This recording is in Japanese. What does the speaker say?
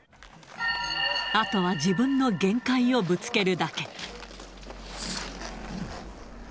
あとは自分の限界をぶつけるだけ。